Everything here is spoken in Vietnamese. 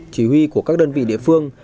chỉ huy của các đơn vị địa phương